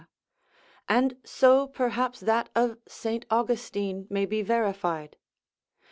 and so perhaps that of St. Austin may be verified.